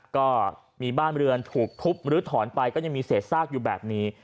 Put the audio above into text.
ก็มีบ้านเรือนถูกทุบหรือถอนไปก็ยังมีเศษซากอยู่แบบนี้